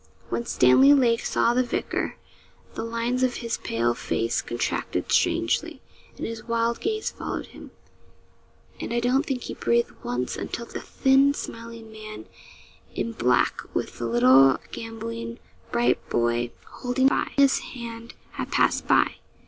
When Stanley Lake saw the vicar, the lines of his pale face contracted strangely, and his wild gaze followed him, and I don't think he breathed once until the thin smiling man in black, with the little gambolling bright boy holding by his hand, had passed by.